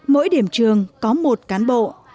mỗi điểm trường có một cán bộ